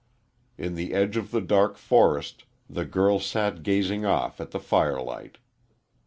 In the edge of the dark forest the girl sat gazing off at the firelight.